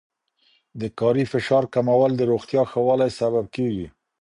د کاري فشار کمول د روغتیا ښه والي سبب کېږي.